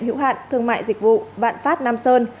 hữu hạn thương mại dịch vụ vạn phát nam sơn